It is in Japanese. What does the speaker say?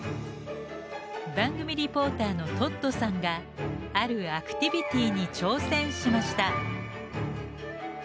番組リポーターのトッドさんがあるアクティビティーに挑戦しました。